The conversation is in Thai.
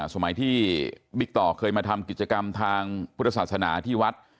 สมัยที่บิ๊กต่อเคยมาทำกิจกรรมทางพุทธศาสนาที่วัด